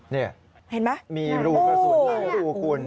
เห็นไหมมีรูกระสุนไหลดูคุณ